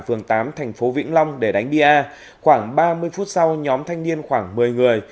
phường tám thành phố vĩnh long để đánh bia khoảng ba mươi phút sau nhóm thanh niên khoảng một mươi người